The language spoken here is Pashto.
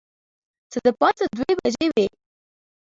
څه د پاسه دوې بجې وې.